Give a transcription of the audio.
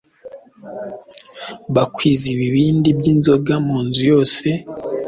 bakwiza ibibindi by'inzoga mu nzu yose,